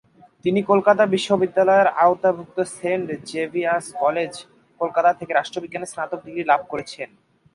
তিনি কলকাতা বিশ্ববিদ্যালয়ের আওতাভুক্ত সেন্ট জেভিয়ার্স কলেজ, কলকাতা থেকে রাষ্ট্রবিজ্ঞানে স্নাতক ডিগ্রি লাভ করেছেন।